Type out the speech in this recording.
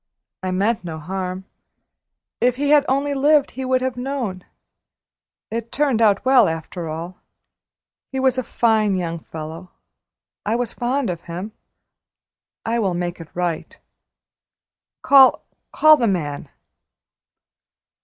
I meant no harm. If he had only lived he would have known. It turned out well after all. He was a fine young fellow. I was fond of him. I will make it right. Call call the man."